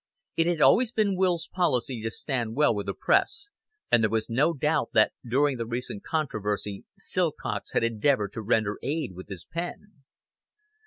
It had always been Will's policy to stand well with the press, and there was no doubt that during the recent controversy Silcox had endeavored to render aid with his pen.